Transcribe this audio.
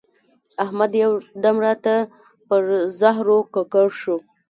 احمد یو دم راته پر زهرو ککړ شو.